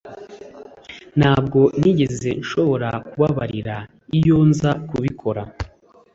ntabwo nigeze nshobora kubabarira iyo nza kubikora